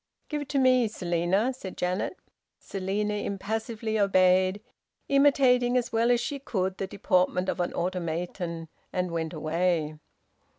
"Give it to me, Selina," said Janet. Selina impassively obeyed, imitating as well as she could the deportment of an automaton; and went away.